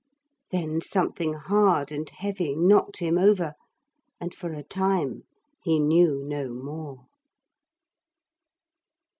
Then something hard and heavy knocked him over, and for a time he knew no more.